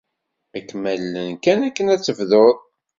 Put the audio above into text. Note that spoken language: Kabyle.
Ad kem-allen kan akken ad tebdud.